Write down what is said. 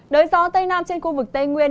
đời gió tây nam trên khu vực tây nguyên